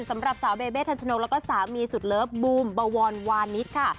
สำหรับสาวเบเบทันชนกแล้วก็สามีสุดเลิฟบูมบวรวานิสค่ะ